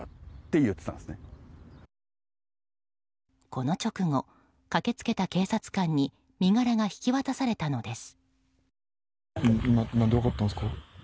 この直後、駆けつけた警察官に身柄が引き渡されたのです。